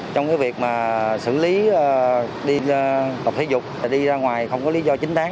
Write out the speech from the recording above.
trong cái việc mà xử lý tập thể dục và đi ra ngoài không có lý do chính đáng